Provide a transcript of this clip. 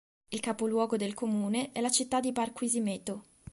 Il capoluogo del comune è la città di Barquisimeto.